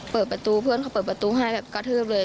เปิดประตูเพื่อนเขาเปิดประตูให้แบบกระทืบเลย